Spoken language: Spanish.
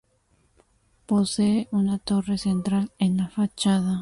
Posee una torre central en la fachada.